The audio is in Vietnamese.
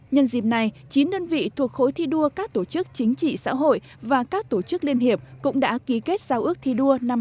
nhân dịp này chín đơn vị thuộc khối thi đua các tổ chức chính trị xã hội và các tổ chức liên hiệp cũng đã ký kết giao ước thi đua năm hai nghìn một mươi chín